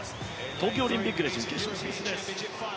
東京オリンピックで準決勝進出です。